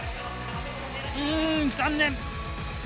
うん残念！